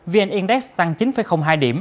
vn index tăng chín hai